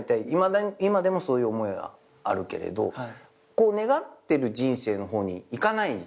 今でもそういう思いはあるけれど願ってる人生の方に行かないでしょ？